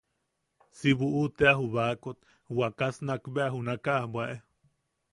Si buʼu tea ju baakot wakas nakbea junakaʼa bwaʼe.